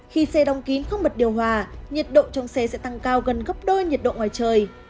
khi xe đóng kín không bật điều hòa nhiệt độ trong xe sẽ tăng cao gần gấp đôi nhiệt độ ngoài trời